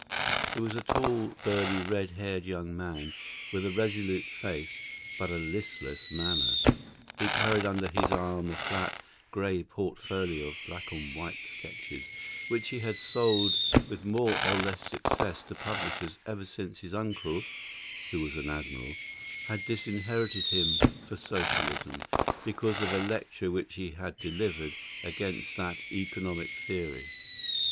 He was a tall, burly, red haired young man, with a resolute face but a listless manner. He carried under his arm a flat, grey portfolio of black and white sketches, which he had sold with more or less success to publishers ever since his uncle (who was an admiral) had disinherited him for Socialism, because of a lecture which he had delivered against that economic theory.